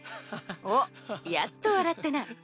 おっやっと笑ったな。